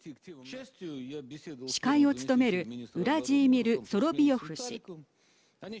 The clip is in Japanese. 司会を務めるウラジーミル・ソロビヨフ氏。